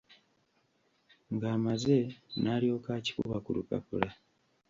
Ng'amaze, n'alyoka akikuba ku lupapula.